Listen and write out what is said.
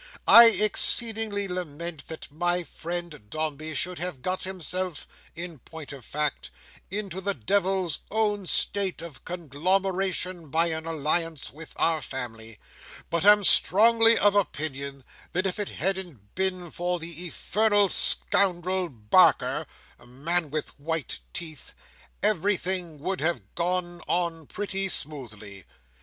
I exceedingly lament that my friend Dombey should have got himself, in point of fact, into the devil's own state of conglomeration by an alliance with our family; but am strongly of opinion that if it hadn't been for the infernal scoundrel Barker—man with white teeth—everything would have gone on pretty smoothly.